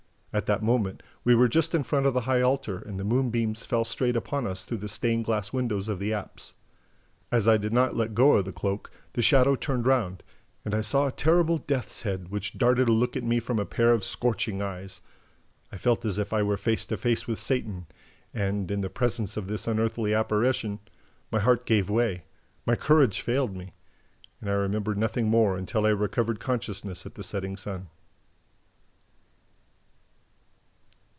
At that moment, we were just in front of the high altar; and the moonbeams fell straight upon us through the stained glass windows of the apse. As I did not let go of the cloak, the shadow turned round; and I saw a terrible death's head, which darted a look at me from a pair of scorching eyes. I felt as if I were face to face with Satan; and, in the presence of this unearthly apparition, my heart gave way, my courage failed me ... and I remember nothing more until I recovered consciousness at the Setting Sun."